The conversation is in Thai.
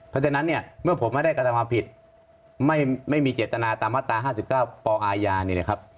เพราะฉะนั้นเนี่ยเมื่อผลไม่ได้กระตำวังผิดไม่ไม่มีเจตนาตามมาตราห้าสิบเก้าปอาญาเนี่ยนะครับ